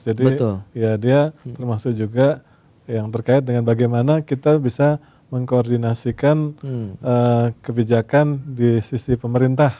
ya dia termasuk juga yang terkait dengan bagaimana kita bisa mengkoordinasikan kebijakan di sisi pemerintah